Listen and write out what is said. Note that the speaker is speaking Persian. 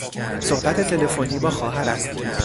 صحبت تلفنی با خواهرم